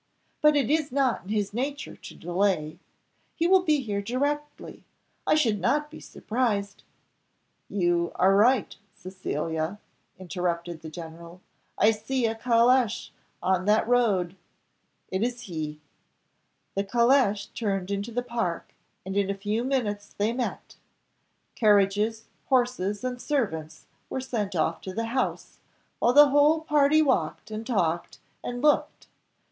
But it is not in his nature to delay; he will be here directly I should not be surprised " "You are right, Cecilia," interrupted the general. "I see a caleche on that road. It is he." The caleche turned into the park, and in a few minutes they met. Carriages, horses, and servants, were sent off to the house, while the whole party walked, and talked, and looked.